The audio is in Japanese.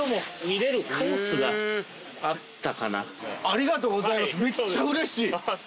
めっちゃうれしい！